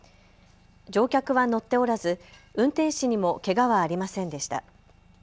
乗客は乗っておらず運転士にもけがはありませんでした。